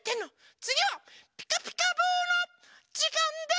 つぎは「ピカピカブ！」のじかんです！